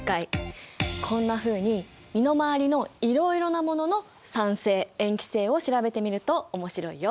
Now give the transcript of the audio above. こんなふうに身の回りのいろいろなものの酸性塩基性を調べてみると面白いよ。